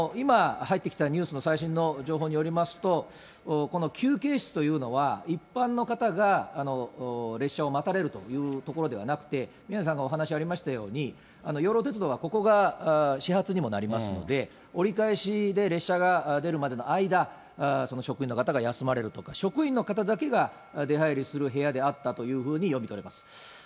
今、入ってきたニュースの最新の情報によりますと、この休憩室というのは、一般の方が、列車を待たれるという所ではなくて、宮根さんからお話ありましたように、養老鉄道はここが始発にもなりますので、折り返しで列車が出るまでの間、職員の方が休まれるとか、職員の方だけが出入りする部屋であったというふうに読み取れます。